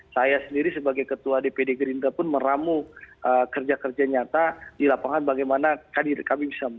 saya sendiri sebagai ketua dpd gerindra pun meramu kerja kerja nyata di lapangan bagaimana kami bisa